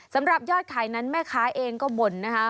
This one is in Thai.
สำหรับยอดขายนั้นแม่ค้าเองก็บ่นนะคะ